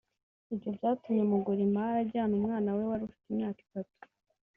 Ibyo byatumye Mugurimari ajyana umwana we wari ufite imyaka itatu